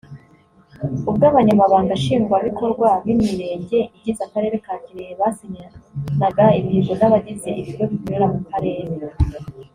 ubwo Abanyamabanga Nshingwabikorwa b’Imirenge igize Akarere ka Kirehe basinyanaga imihigo n’abagize ibigo bikorera mu Karere